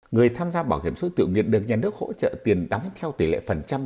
người tham gia bảo hiểm xã hội tự nguyện được nhà nước hỗ trợ tiền đóng theo tỷ lệ phần trăm